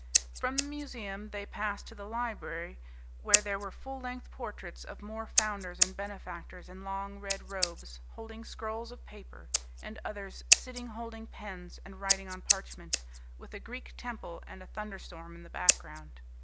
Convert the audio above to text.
From the museum they passed to the library, where there were full length portraits of more founders and benefactors in long red robes, holding scrolls of paper, and others sitting holding pens and writing on parchment, with a Greek temple and a thunderstorm in the background.